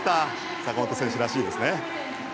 坂本選手らしいですね。